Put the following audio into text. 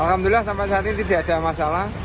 alhamdulillah sampai saat ini tidak ada masalah